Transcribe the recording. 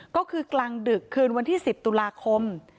ก็คือกลางดึกคืนวันที่๑๐ตุลาคม